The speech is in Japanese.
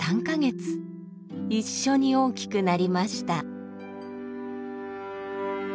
一緒に大きくなりました。